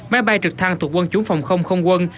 máy bay trực thăng thuộc quân chủng phòng không không quân